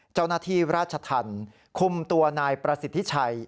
เจ้าหน้าที่ราชธรรมคุมตัวนายประสิทธิชัย